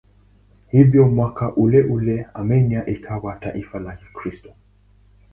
Hivyo mwaka uleule Armenia ikawa taifa la Kikristo.